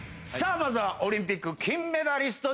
まずは「オリンピック金メダリストチーム」。